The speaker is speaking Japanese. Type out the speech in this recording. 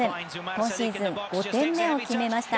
今シーズン５点目を決めました。